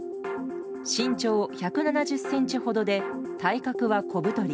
身長１７０ｃｍほどで体格は小太り。